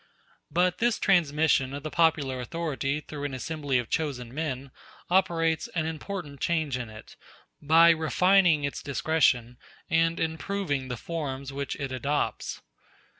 But this transmission of the popular authority through an assembly of chosen men operates an important change in it, by refining its discretion and improving the forms which it adopts.